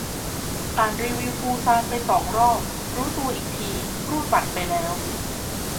อ่านรีวิวปูซานไปสองรอบ รู้ตัวอีกทีรูดบัตรไปแล้ว